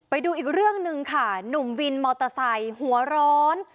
ไปดูอีกเรื่องหนึ่งค่ะหนุ่มวินมอเตอร์ไซค์หัวร้อน